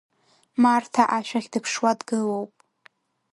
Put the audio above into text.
Марҭа ашә ахь дыԥшуа дгылоуп.